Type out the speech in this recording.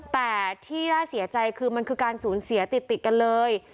แต่ที่น่าเสียใจคือมันคือการสูญเสียติดกันเลย